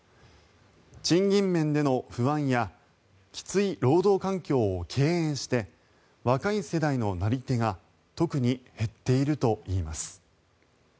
賃金面での不安やきつい労働環境を敬遠して若い世代のなり手が特に減っているといいます。